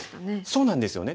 そうなんですよね。